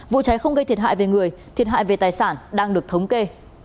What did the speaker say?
vụ cháy không gây thiệt hại về người thiệt hại về tài sản đang được thống kê